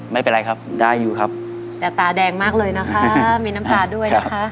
ไม่เป็นไรครับได้อยู่ครับแต่ตาแดงมากเลยนะคะมีน้ำตาด้วยนะคะ